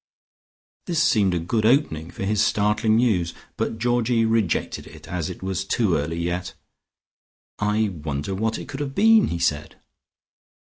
This seemed a good opening for his startling news, but Georgie rejected it, as it was too early yet. "I wonder what it could have been," he said.